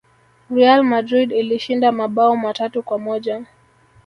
real madrid ilishinda mabao matatu kwa moja